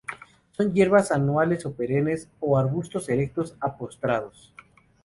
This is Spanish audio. Son hierbas anuales o perennes, o arbustos erectos a postrados.